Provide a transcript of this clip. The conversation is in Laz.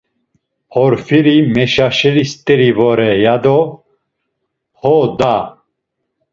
Porfiri meşaşeri st̆eri vore, yado: Ho da!